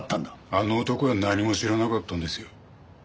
あの男は何も知らなかったんですよ。